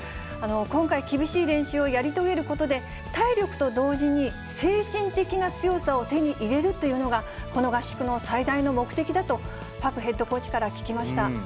今回、厳しい練習をやり遂げることで、体力と同時に、精神的な強さを手に入れるというのが、この合宿の最大の目的だと、パクヘッドコーチから聞きました。